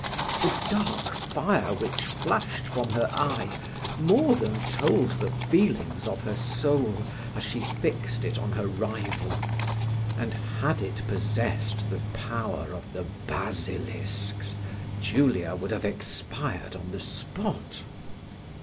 The dark fire which flashed from her eye, more than told the feelings of her soul, as she fixed it on her rival; and had it possessed the power of the basilisk's, Julia would have expired on the spot.